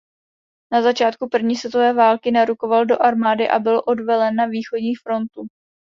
Na začátku první světové války narukoval do armády a byl odvelen na východní frontu.